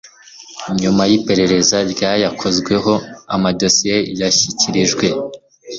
nyuma y iperereza ryayakozweho amadosiye yashyikirijwe